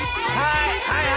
はい！